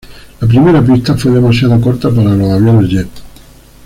La primera pista fue demasiado corta para los aviones jet.